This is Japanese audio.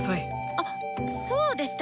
あそうでした。